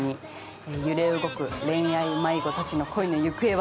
揺れ動く恋愛迷子たちの恋の行方は？